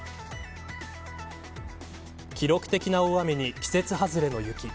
記録的な大雨に季節外れの雪。